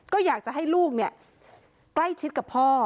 ก็อยากจะให้ลูกใกล้ชิดกับพ่อ